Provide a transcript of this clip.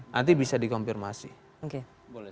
nanti bisa dikonfirmasi oke